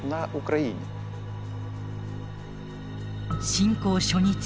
侵攻初日